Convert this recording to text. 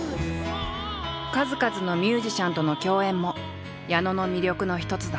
数々のミュージシャンとの共演も矢野の魅力の一つだ。